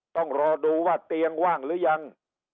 ต้องรอดูว่าเตียงว่างหรือยัง